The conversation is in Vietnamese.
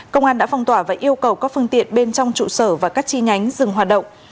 công an đã phong tỏa và yêu cầu các phương tiện bên trong trụ sở và các chi nhánh dừng hoạt động